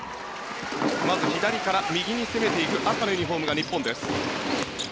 まず左から右に攻めていく赤のユニホームが日本です。